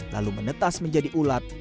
lalu menetas menjadi ulat